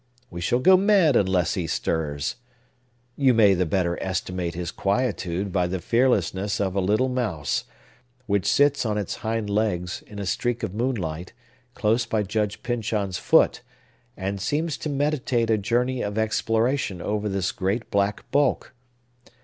We shall go mad unless he stirs! You may the better estimate his quietude by the fearlessness of a little mouse, which sits on its hind legs, in a streak of moonlight, close by Judge Pyncheon's foot, and seems to meditate a journey of exploration over this great black bulk.